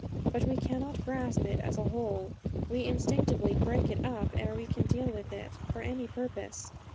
But we cannot grasp it as a whole. We instinctively break it up ere we can deal with it for any purpose.